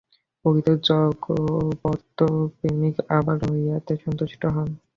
প্রকৃত ভগবৎ-প্রেমিক আবার ইহাতেও সন্তুষ্ট নন।